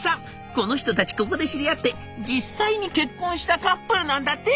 この人たちここで知り合って実際に結婚したカップルなんだって」。